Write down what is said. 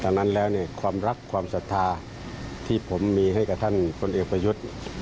ดังนั้นแล้วเนี่ยความรักความศรัทธาที่ผมมีให้กับท่านพลเอกประยุทธ์